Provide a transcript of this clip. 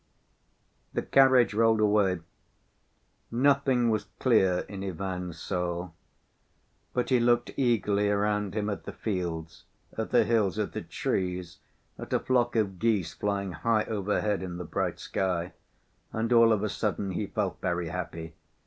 The carriage rolled away. Nothing was clear in Ivan's soul, but he looked eagerly around him at the fields, at the hills, at the trees, at a flock of geese flying high overhead in the bright sky. And all of a sudden he felt very happy.